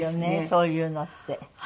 そういうのって。